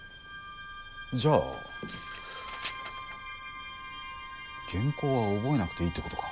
じゃあ原稿は覚えなくていいってことか。